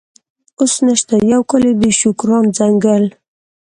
اوس نشته، یو کال یې د شوکران ځنګل.